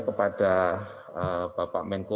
kepada bapak menko